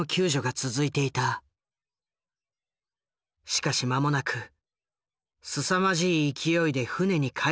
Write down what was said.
しかし間もなくすさまじい勢いで船に海水が入ってきた。